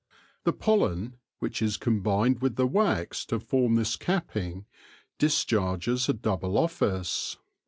The pollen, which is combined with the wax to form this capping, discharges a double office.